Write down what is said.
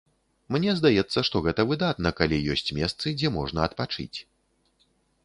Мне здаецца, што гэта выдатна, калі ёсць месцы, дзе можна адпачыць.